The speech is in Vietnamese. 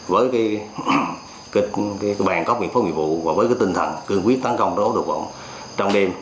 với cái bàn cóc nghiệp pháp nghiệp vụ và với cái tinh thần cương quyết tăng công đổ đột vọng trong đêm